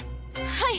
はい！